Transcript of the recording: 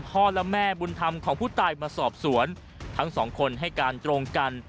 พ่อและแม่บุญธรรมของผู้ตายมาสอบสวนทั้งสองคนให้การตรงกัน